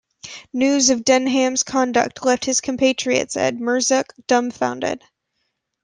News of Denham's conduct left his compatriots at Murzuk dumbfounded.